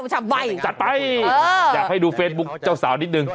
จัดไปอยากให้ดูเฟซบุ๊คเจ้าสาวนิดนึง